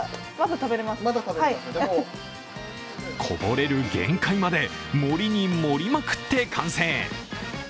こぼれる限界まで盛りに盛りまくって完成。